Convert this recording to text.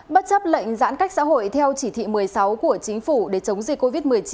bất chấp lệnh giãn cách xã hội theo chỉ thị một mươi sáu của chính phủ để chống dịch covid một mươi chín